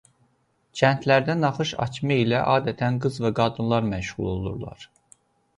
Kəndlərdə naxış açma ilə adətən qız və qadınlar məşğul olurlar.